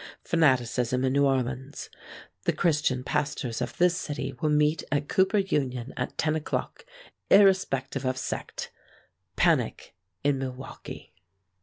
Fanaticism in New Orleans. The Christian pastors of this city will meet at Cooper Union at ten o'clock, irrespective of sect. Panic in Milwaukee."